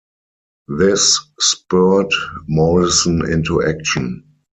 This spurred Morrison into action.